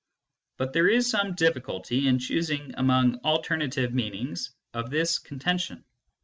But there is some difficulty in choosing among alternative meanings of this con tention.